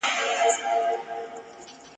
له ښکاري کوترو چا وکړل سوالونه ..